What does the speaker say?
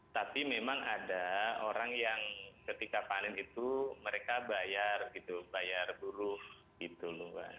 tapi memang ada orang yang ketika panen itu mereka bayar gitu bayar buruh gitu loh mbak